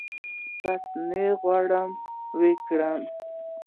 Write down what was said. بحث نه غواړم وکړم.